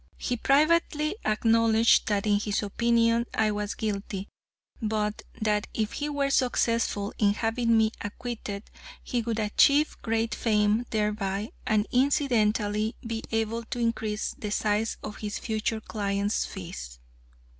He privately acknowledged that, in his opinion, I was guilty, but that if he were successful in having me acquitted, he would achieve great fame thereby, and incidentally be able to increase the size of his future clients' fees.